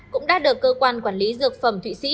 cũng đã được cơ quan quản lý dược phẩm thụy sĩ